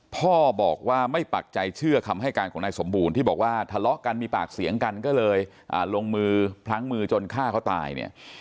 พ่อบอกว่าไม่ปักใจเชื่อคำให้การของนายสมบูรณ์ที่บอกว่าทะเลาะกันมีปากเสียงกันก็เลยลงมือพลั้งมือจนฆ่าเขาตายเนี่ย